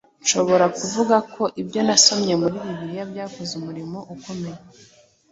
Nshobora kuvuga ko ibyo nasomye muri Bibiliya byakoze Umurimo ukomeye